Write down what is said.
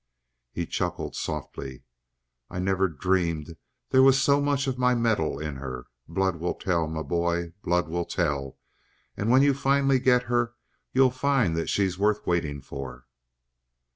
He chuckled softly. "I never dreamed there was so much of my metal in her. Blood will tell, my boy; blood will tell. And when you finally get her you'll find that she's worth waiting for."